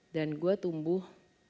dan gue tumbuh